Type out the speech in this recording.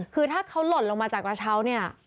คือถ้าเขาหล่นลงมาจากกระเช้าเนี่ย